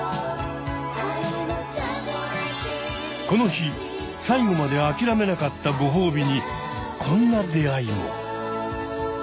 この日最後まであきらめなかったご褒美にこんな出会いも。